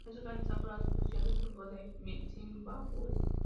Es organizada por la Asociación de Fútbol de Zimbabue.